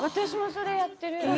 私もそれやってる。